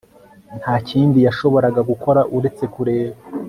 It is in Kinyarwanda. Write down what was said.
Nta kindi yashoboraga gukora uretse kureba